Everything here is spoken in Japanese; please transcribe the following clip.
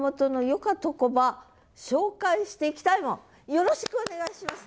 よろしくお願いします。